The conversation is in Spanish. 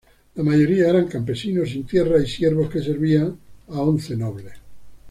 La mayoría eran campesinos sin tierra y siervos que servían a once nobles.